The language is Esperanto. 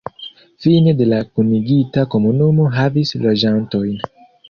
Fine de la kunigita komunumo havis loĝantojn.